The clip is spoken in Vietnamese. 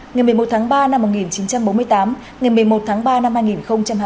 ngày một mươi một tháng ba năm một nghìn chín trăm bốn mươi tám ngày một mươi một tháng ba năm hai nghìn hai mươi